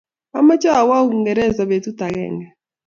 amache awok Uingereza betut agenge.